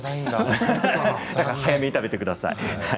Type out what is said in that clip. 早めに食べてください。